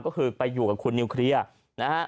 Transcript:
ก็คือไปอยู่กับคุณนิวเคลียร์นะฮะ